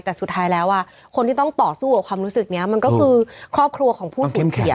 แต่สุดท้ายแล้วคนที่ต้องต่อสู้กับความรู้สึกนี้มันก็คือครอบครัวของผู้สูญเสีย